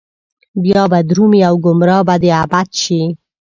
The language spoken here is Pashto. بيا به درومي او ګمراه به د ابد شي